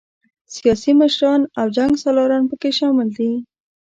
سیاسي مشران او جنګ سالاران پکې شامل دي.